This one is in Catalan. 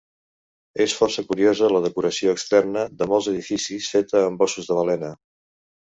És força curiosa la decoració externa de molts edificis feta amb ossos de balena.